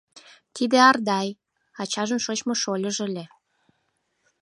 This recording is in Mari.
Тиде Ардай, ачажын шочмо шольыжо ыле.